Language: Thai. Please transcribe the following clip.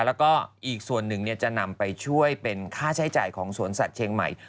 แล้วก็อีกส่วนหนึ่งจะนำไปช่วยเป็นค่าใช้จ่ายของสวนสัตว์เชียงใหม่